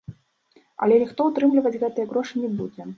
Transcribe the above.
Але ніхто ўтрымліваць гэтыя грошы не будзе.